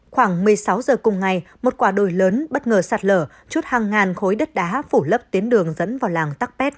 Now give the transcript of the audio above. khoảng một mươi sáu giờ cùng ngày một quả đồi lớn bất ngờ sạt lở chút hàng ngàn khối đất đá phủ lấp tuyến đường dẫn vào làng tắc pet